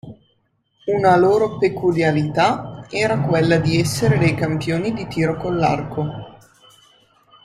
Una loro peculiarità era quella di essere dei campioni di tiro con l'arco.